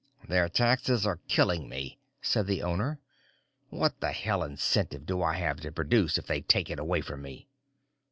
"Their taxes are killing me," said the owner. "What the hell incentive do I have to produce if they take it away from me?"